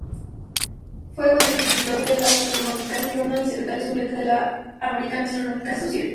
Fue co-editor del "Astronomical Journal" y secretario suplente de la American Astronomical Society.